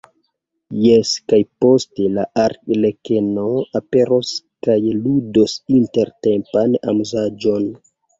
Jes, kaj poste la arlekeno aperos kaj ludos intertempan amuzaĵon.